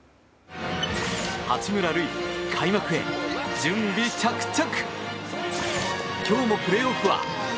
八村塁、開幕へ準備着々！